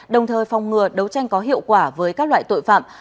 đồng thời phòng ngừa đấu tranh có hiệu quả với các loại tội phạm